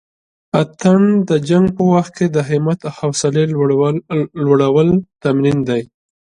اتڼ د جنګ په وخت کښې د همت او حوصلې لوړلو تمرين دی.